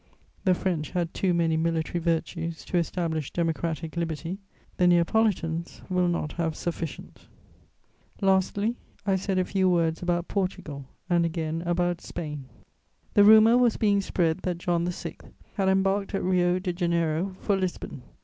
The French had too many military virtues to establish democratic liberty; the Neapolitans will not have sufficient" [Sidenote: Official dispatches.] Lastly, I said a few words about Portugal and again about Spain. The rumour was being spread that John VI. had embarked at Rio de Janeiro for Lisbon.